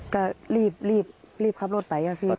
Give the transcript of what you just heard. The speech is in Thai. ก็รีบขับรถไปก็คือ